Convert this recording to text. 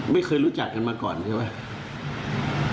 ไม่เคยรู้จักกันมาก่อนใช่ไหม